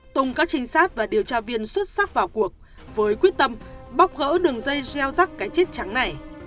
tùng các trinh sát và điều tra viên xuất sắc vào cuộc với quyết tâm bóc gỡ đường dây gieo rắc cái chết trắng này